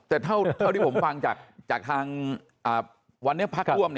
แต่เท่าที่ผมฟังจากทางวันนี้พักร่วม